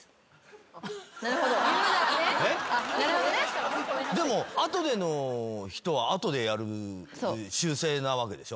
えっ？でも後での人は後でやる習性なわけでしょ？